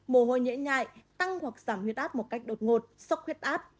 mồ hôi nhẹ nhại tăng hoặc giảm huyết áp một cách đột ngột sốc huyết áp